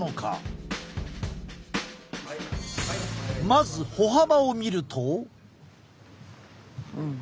まず歩幅を見ると。